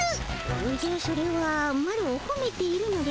おじゃそれはマロをほめているのであろうの。